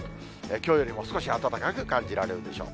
きょうよりも少し暖かく感じられるでしょう。